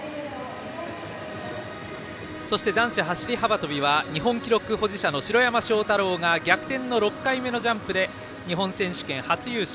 そして、男子走り幅跳びは日本記録保持者の城山正太郎が逆転の６回目のジャンプで日本選手権、初優勝。